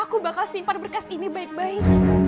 aku bakal simpan berkas ini baik baik